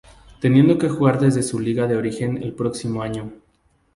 Teniendo que jugar desde su liga de Origen el próximo año.